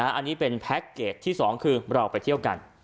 อันนี้เป็นแพ็คเกจที่๒คือเราไปเที่ยวกัน